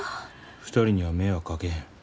２人には迷惑かけへん。